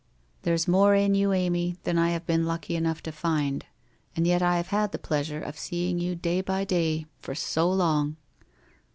There's more in you, Amy, than I have been lucky enough to find, and yet I have had the pleasure of seeing you day by day, for so long